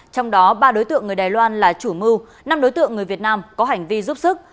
trong đó ba đối tượng người đài loan là chủ mưu năm đối tượng người việt nam có hành vi giúp sức